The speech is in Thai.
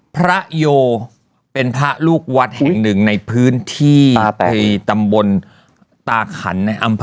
โยเป็นพระลูกวัดแห่งหนึ่งในพื้นที่ในตำบลตาขันในอำเภอ